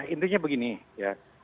intinya begini ya